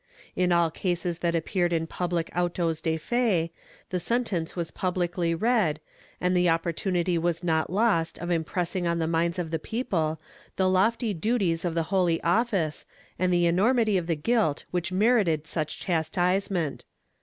In all cases that appeared in public autos de fe, the sentence was publicly read, and the opportunity was not lost of impressing on the minds of the people the lofty duties of the Holy Office and the enormity of the guilt which merited such chastisement.